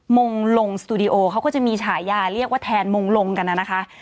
มงลงสตูดิโอเขาก็จะมีฉายาเรียกว่าแทนมงลงกันน่ะนะคะ